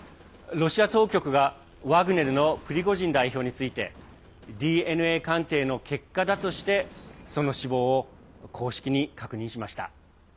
ロシア当局がワグネルのプリゴジン代表についてＤＮＡ鑑定の結果だとしてその死亡を公式に確認しました。